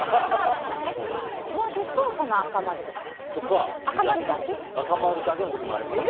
文字と、その赤丸ですか？